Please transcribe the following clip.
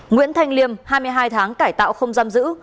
nguyễn thanh liêm hai mươi hai tháng cải tạo không giam giữ